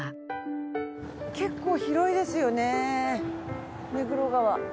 結構広いですよね目黒川。